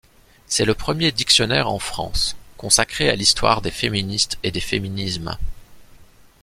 C'est le premier dictionnaire en France, consacré à l’histoire des féministes et des féminismes.